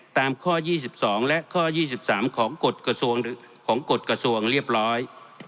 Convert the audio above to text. ตามข้อ๒๒และข้อ๒๓ของกฎกระทรวงเรียบร้อย